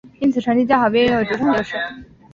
因此成绩较好便拥有主场优势。